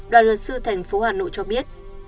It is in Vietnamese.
đoàn luật sư tp hcm cho biết